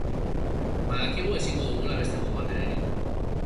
Badakigu ezingo dugula beste modu batera egin.